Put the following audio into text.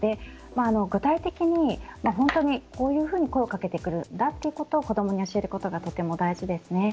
具体的に本当にこういうふうに声をかけてくるんだということを子供に教えることがとても大事ですね。